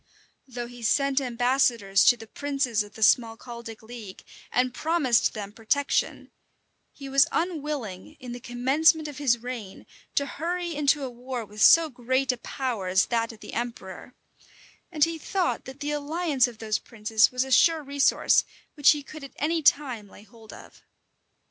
Though he sent ambassadors to the princes of the Smalcaldic league, and promised them protection, he was unwilling, in the commencement of his reign, to hurry into a war with so great a power as that of the emperor; and he thought that the alliance of those princes was a sure resource, which he could at any time lay hold of.